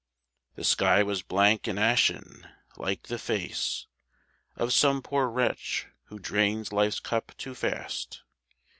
The sky was blank and ashen, like the face Of some poor wretch who drains life's cup too fast.